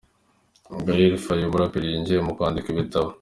Gaël Faye, umuraperi winjiye mu kwandika ibitabo.